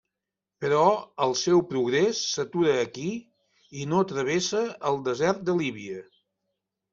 Però el seu progrés s'atura aquí i no travessa el desert de Líbia.